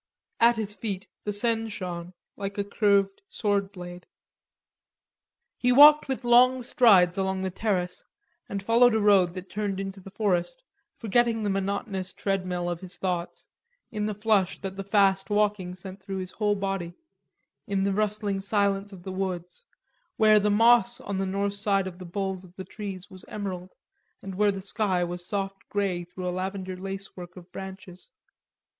At his feet the Seine shone like a curved sword blade. He walked with long strides along the terrace, and followed a road that turned into the forest, forgetting the monotonous tread mill of his thoughts, in the flush that the fast walking sent through his whole body, in the rustling silence of the woods, where the moss on the north side of the boles of the trees was emerald, and where the sky was soft grey through a lavender lacework of branches.